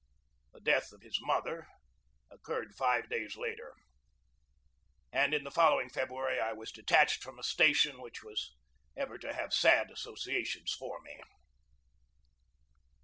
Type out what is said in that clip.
The death of his mother occurred five days later, and in the following February I was detached from a station which was ever to have sad associations for me.